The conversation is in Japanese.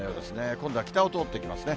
今度は北を通ってきますね。